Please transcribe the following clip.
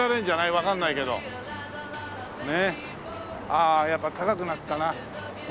ああやっぱ高くなったな。